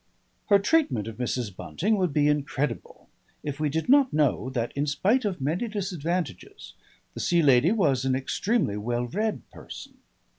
Her treatment of Mrs. Bunting would be incredible if we did not know that, in spite of many disadvantages, the Sea Lady was an extremely well read person.